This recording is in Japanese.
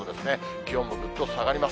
気温もぐっと下がります。